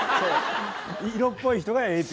色っぽい人がＡＰ。